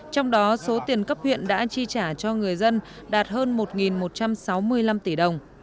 trong đó số tiền cấp huyện đã chi trả cho người dân đạt hơn một một trăm sáu mươi năm tỷ đồng